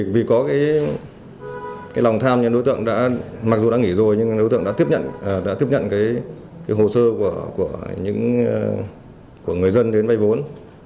vì có lòng tham mặc dù đã nghỉ rồi nhưng đối tượng đã tiếp nhận hồ sơ của người dân đến vay vốn